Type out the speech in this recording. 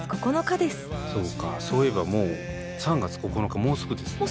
そうかそういえばもう３月９日もうすぐですね。